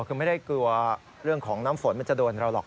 คือไม่ได้กลัวเรื่องของน้ำฝนมันจะโดนเราหรอก